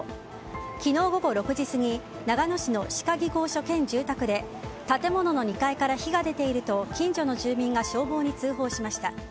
昨日午後６時過ぎ長野市の歯科技工所兼住宅で建物の２階から火が出ていると近所の住民が消防に通報しました。